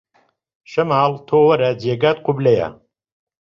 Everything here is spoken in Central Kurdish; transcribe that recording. شەماڵ تۆ وەرە جێگات قوبلەیە